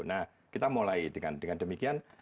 nah kita mulai dengan demikian